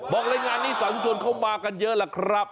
บอกในรายงานนี้สาวผู้ชนเข้ามากันเยอะแล้วครับ